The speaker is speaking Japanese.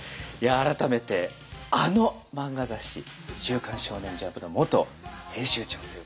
改めてあの漫画雑誌「週刊少年ジャンプ」の元編集長ということでね